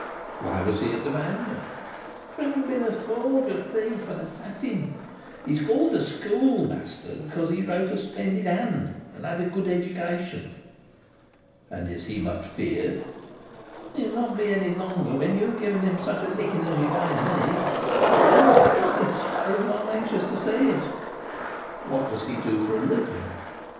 "Why was he at the Bagne?" "For having been a forger, thief, and assassin. He is called the Schoolmaster because he wrote a splendid hand, and has had a good education." "And is he much feared?" "He will not be any longer, when you have given him such a licking as you gave me. Oh, by Jove, I am anxious to see it!" "What does he do for a living?"